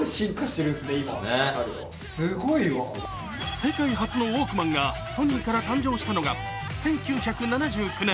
世界初のウォークマンがソニーから誕生したのが１９７９年。